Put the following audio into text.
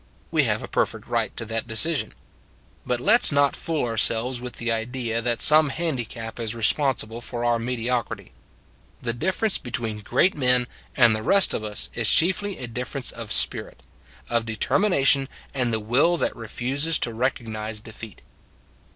We have a perfect right to that decision. But let s not fool ourselves with the idea that some handicap is responsible for our mediocrity. The difference between great Everybody Has Something 173 men and the rest of us is chiefly a difference of spirit of determination and the will that refuses to recognize defeat.